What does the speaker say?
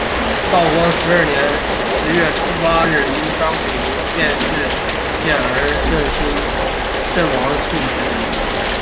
道光十二年十月初八日因张丙民变事件而阵亡殉职。